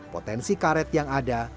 potensi karet yang ada